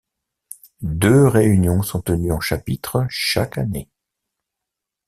Deux réunions sont tenues en chapitre chaque année.